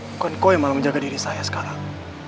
bukan kau yang malah menjaga diri saya sekarang